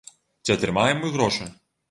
Ці атрымаем мы грошы?